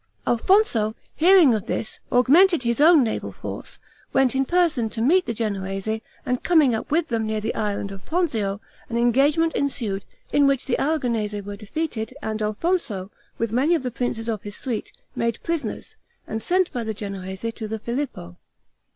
Alfonso hearing of this, augmented his own naval force, went in person to meet the Genoese, and coming up with them near the island of Ponzio, an engagement ensued, in which the Aragonese were defeated, and Alfonso, with many of the princes of his suite, made prisoners, and sent by the Genoese to the Filippo.